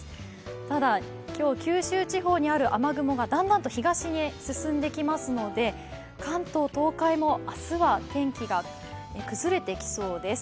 ただ今日九州地方にある雨雲がだんだんと東へ進んできますので関東、東海も明日は天気が崩れてきそうです。